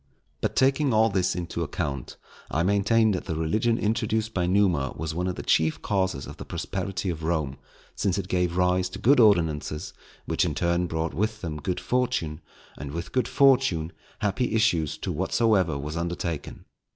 But taking all this into account, I maintain that the religion introduced by Numa was one of the chief causes of the prosperity of Rome, since it gave rise to good ordinances, which in turn brought with them good fortune, and with good fortune, happy issues to whatsoever was undertaken.